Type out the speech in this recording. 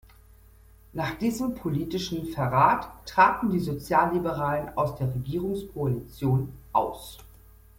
Nach diesem politischen „Verrat“ traten die Sozialliberalen aus der Regierungskoalition aus.